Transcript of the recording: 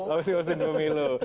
gak pasti gurusin pemilu